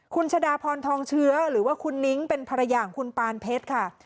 คุณชะดาพรทองเชื้อหรือว่าคุณนิ้งเป็นภรรยาของคุณปานเพชรค่ะ